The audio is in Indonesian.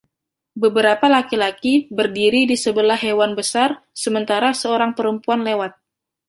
Beberapa laki-laki berdiri di sebelah hewan besar sementara seorang perempuan lewat.